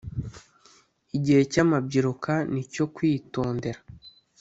igihe cyamabyiruka nicyokwitondera .